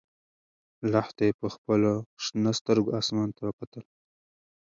لښتې په خپلو شنه سترګو اسمان ته وکتل.